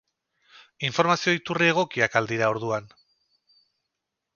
Informazio iturri egokiak al dira orduan?